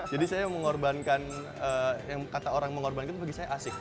jadi saya mengorbankan yang kata orang mengorbankan itu bagi saya asik